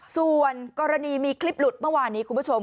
ส่วนกรณีมีคลิปหลุดเมื่อวานนี้คุณผู้ชม